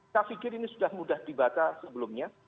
saya pikir ini sudah mudah dibaca sebelumnya